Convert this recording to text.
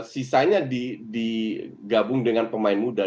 sisanya digabung dengan pemain muda